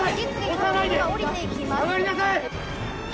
下がりなさい！